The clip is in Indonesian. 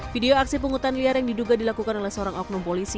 video aksi penghutan liar yang diduga dilakukan oleh seorang oknum polisi